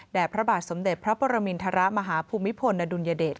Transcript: พระบาทสมเด็จพระปรมินทรมาฮภูมิพลอดุลยเดช